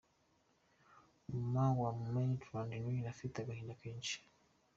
Mama wa Maitland Niles afite agahinda kenshi.